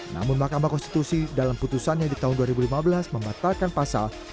namun mahkamah konstitusi dalam putusannya di tahun dua ribu lima belas membatalkan pasal